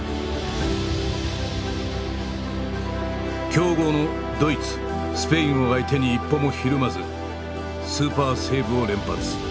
強豪のドイツスペインを相手に一歩もひるまずスーパーセーブを連発。